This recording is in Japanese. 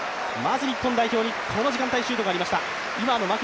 まず日本代表、この時間帯シュートがありました。